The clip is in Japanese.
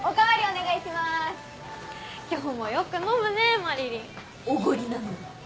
おごりなので。